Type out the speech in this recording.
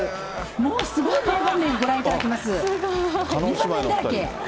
もうすごい名場面、ご覧いただけます。